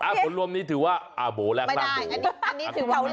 อ่ะผลรวมนี้ถือว่าอ่าโบแล้วล่างโบ